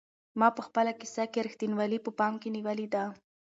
ما په خپله کيسه کې رښتینولي په پام کې نیولې ده.